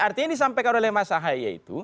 artinya ini sampai kalau lemas sahaya itu